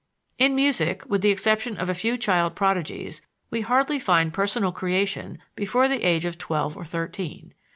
In music, with the exception of a few child prodigies, we hardly find personal creation before the age of twelve or thirteen.